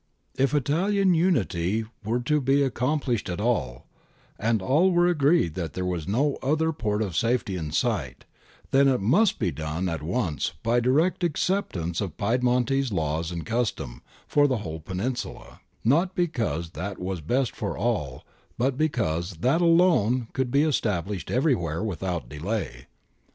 If Italian unity were to be accom plished at all — and all were agreed that there was no other port of safety in sight— then it must be done at once by direct acceptance of Piedmontese law and custom for the whole Peninsula, not because that was best for all but because that alone could be established everywhere without delay.